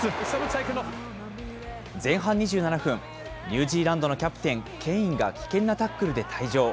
前半２７分、ニュージーランドのキャプテン、ケインが危険なタックルで退場。